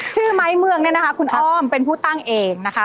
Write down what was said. ไม้เมืองเนี่ยนะคะคุณอ้อมเป็นผู้ตั้งเองนะคะ